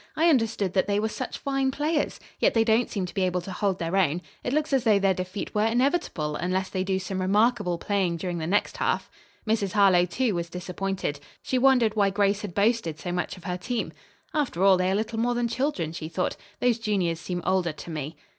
"I understood that they were such fine players. Yet they don't seem to be able to hold their own. It looks as though their defeat were inevitable, unless they do some remarkable playing during the next half." Mrs. Harlowe, too, was disappointed. She wondered why Grace had boasted so much of her team. "After all, they are little more than children," she thought. "Those juniors seem older to me."